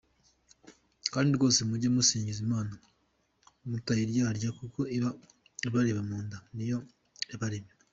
Kandi rwose mujye musingiza Imana mutayiryarya kuko iba ibareba munda, ni Yo yaharemye.